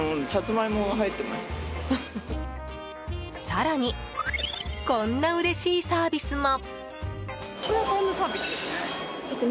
更にこんなうれしいサービスも。